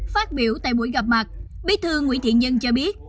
phát biểu tại buổi gặp mặt bí thư nguyễn thiện nhân cho biết